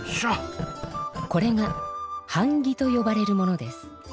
これがはん木とよばれるものです。